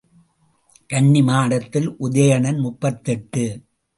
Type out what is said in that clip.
கன்னி மாடத்தில் உதயணன் முப்பத்தெட்டு.